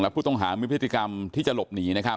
ผู้ต้องหามีพฤติกรรมที่จะหลบหนี